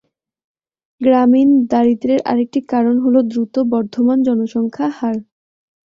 গ্রামীণ দারিদ্র্যের আরেকটি কারণ হল দ্রুত বর্ধমান জনসংখ্যা হার।